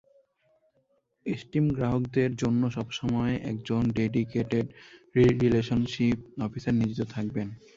Esteem গ্রাহকদের জন্য সব সময় একজন ডেডিকেটেড রিলেশনশিপ অফিসার নিয়োজিত থাকবেন।